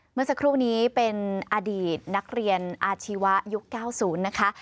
เมื่อสักครู่นี้เป็นอดีตนักเรียนอาชีวะยุค๙๐นะคะ